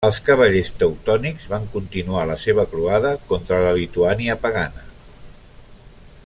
Els cavallers teutònics van continuar la seva croada contra la Lituània pagana.